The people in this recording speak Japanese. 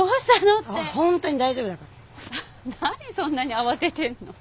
何そんなに慌ててんの？